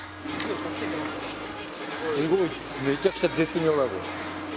すごい、めちゃくちゃ絶妙だこれ。